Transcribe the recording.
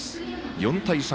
４対３。